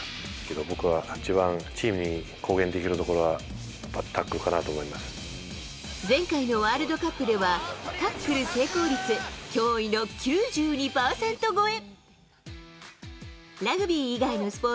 僕は、一番チームに貢献できるところは、前回のワールドカップでは、タックル成功率、驚異の９２％超え。